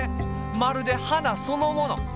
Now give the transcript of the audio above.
まるではなそのもの。